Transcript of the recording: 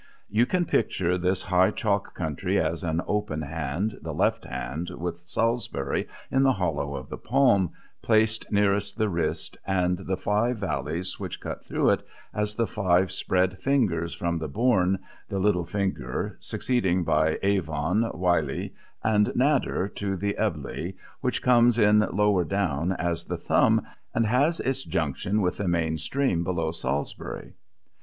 You can picture this high chalk country as an open hand, the left hand, with Salisbury in the hollow of the palm, placed nearest the wrist, and the five valleys which cut through it as the five spread fingers, from the Bourne (the little finger) succeeded by Avon, Wylye, and Nadder, to the Ebble, which comes in lower down as the thumb and has its junction with the main stream below Salisbury.